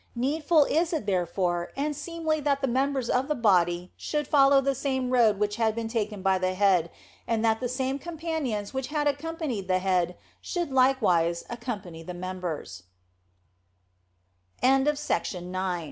Needful is it, there fore, and seemly that the members of the body should follow the same road which had been taken by the head, and that the same companions which had accompanied the head should likewise a